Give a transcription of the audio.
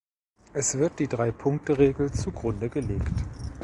Es wird die Drei-Punkte-Regel zu Grunde gelegt.